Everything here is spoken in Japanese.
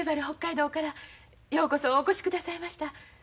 北海道からようこそお越しくださいました。